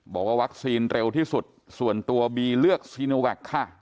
บอกว่าวัคซีนเร็วที่สุดส่วนตัวบีเลือกซีโนแวคค่ะ